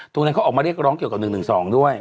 ตรงนั้นเขาออกมาเรียกร้องเกี่ยวกับ๑๑๒ด้วย